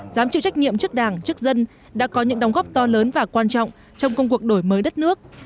dám chịu trách nhiệm trước đảng trước dân đã có những đóng góp to lớn và quan trọng trong công cuộc đổi mới đất nước